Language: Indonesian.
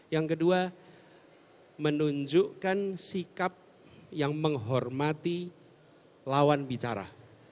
yang kedua menunjukkan sikap yang menghormati lawan bicara